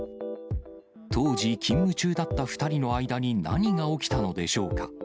当時勤務中だった２人の間に何が起きたのでしょうか。